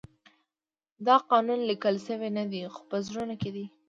دا قانون لیکل شوی نه دی خو په زړونو کې دی.